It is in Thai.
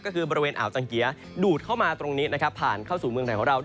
ก็คือบริเวณอ่าวจังเกียร์ดูดเข้ามาตรงนี้นะครับผ่านเข้าสู่เมืองไทยของเรา